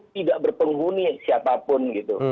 tidak berpenghuni siapapun gitu